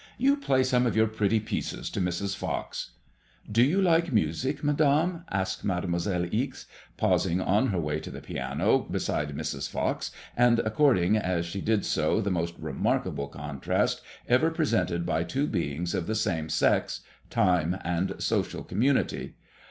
"You play some of your pretty pieces to Mrs. Fox." " Do you like music, Madame ?" asked Mademoiselle Ixe, pausing on her way to the piano beside Mrs. Fox, and affording as she did so the most remarkable con trast ever presented by two beings of the same sex, time, and social community.